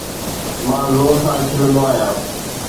مان زور سان کلندو آهيان